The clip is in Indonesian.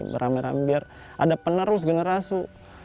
beramai ramai biar ada penerus generasi